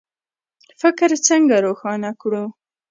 فکر څنګه روښانه کړو؟